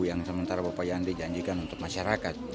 yang sementara bapak yandi janjikan untuk masyarakat